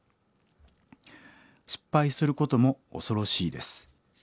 失敗することも恐ろしいです。